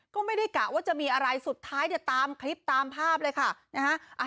ก็ไม่ได้กะว่าจะมีอะไรสุดท้ายเนี่ยตามคลิปตามภาพเลยค่ะนะฮะ